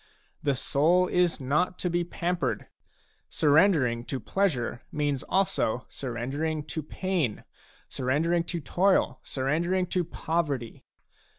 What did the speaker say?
The soul is not to be pampered ; surrendering to pleasure means also surrendering to pain, surrendering to toil, surrendering to poverty.